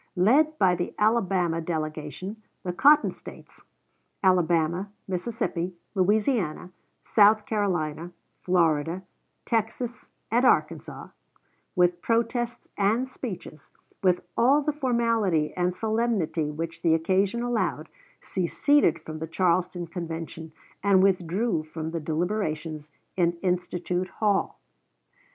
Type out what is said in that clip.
Led by the Alabama delegation, the Cotton States, Alabama, Mississippi, Louisiana, South Carolina, Florida, Texas, and Arkansas, with protests and speeches, with all the formality and "solemnity" which the occasion allowed, seceded from the Charleston Convention, and withdrew from the deliberations in Institute Hall.